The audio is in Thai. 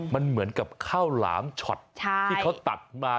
มันเหมือนกับข้าวหลามช็อตที่เขาตัดมา